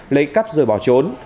lấy cắp rồi bỏ trốn